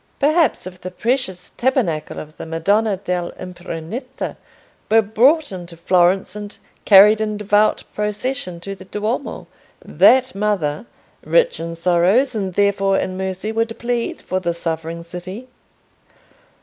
Perhaps if the precious Tabernacle of the Madonna dell' Impruneta were brought into Florence and carried in devout procession to the Duomo, that Mother, rich in sorrows and therefore in mercy, would plead for the suffering city?